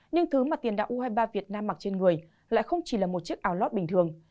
nhưng thứ mà tiền đạo u hai mươi ba việt nam mặc trên người lại không chỉ là một chiếc áo lót bình thường